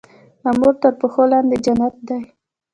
د مور تر پښو لاندي جنت دی.